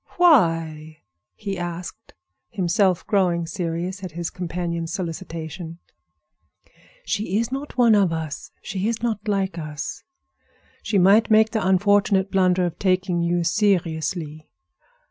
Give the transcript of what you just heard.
"Why?" he asked; himself growing serious at his companion's solicitation. "She is not one of us; she is not like us. She might make the unfortunate blunder of taking you seriously."